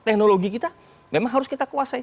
teknologi kita memang harus kita kuasai